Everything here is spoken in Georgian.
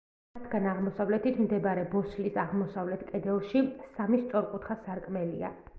მათგან აღმოსავლეთით მდებარე ბოსლის აღმოსავლეთ კედელში სამი სწორკუთხა სარკმელია.